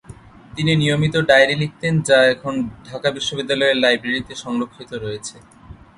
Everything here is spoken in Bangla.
তিনি নিয়মিত ডায়েরি লিখতেন যা এখন ঢাকা বিশ্ববিদ্যালয়ের লাইব্রেরীতে সংরক্ষিত রয়েছে।